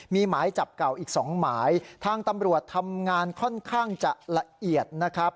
มีหมายจับเก่าอีกสองหมายทางตำรวจทำงานค่อนข้างจะละเอียดนะครับ